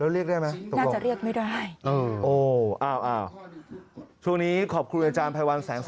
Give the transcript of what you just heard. แล้วเรียกได้ไหม